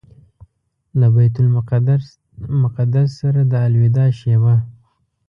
له بیت المقدس سره د الوداع شېبه.